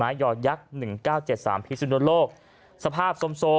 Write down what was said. ยอยักษ์หนึ่งเก้าเจ็ดสามพิสุนโลกสภาพสมโซ